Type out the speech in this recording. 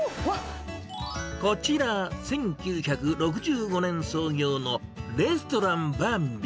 こちら、１９６５年創業のレストランバンビ。